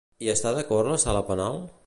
Hi està d'acord la Sala Penal?